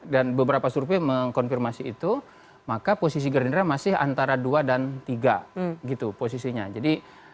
dan beberapa survei mengkonfirmasi itu maka posisi gerindra masih antara dua dan tiga gitu posisinya jadi